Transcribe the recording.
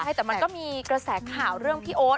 ใช่แต่มันก็มีกระแสข่าวเรื่องพี่โอ๊ต